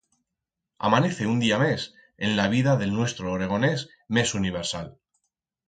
Amanece un día mes en la vida d'el nuestro oregonés mes universal.